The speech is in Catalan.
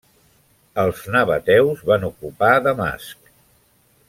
Els nabateus van ocupar Damasc.